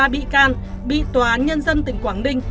ba bị can bị tòa án nhân dân tỉnh quảng ninh